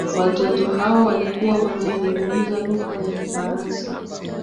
watoto hao walikuwa wanazungumza lugha ya kifaransa